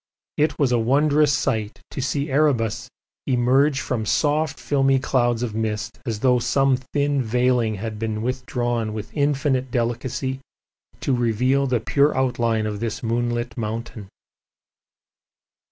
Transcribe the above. It was a wondrous sight to see Erebus emerge from soft filmy clouds of mist as though some thin veiling had been withdrawn with infinite delicacy to reveal the pure outline of this moonlit mountain.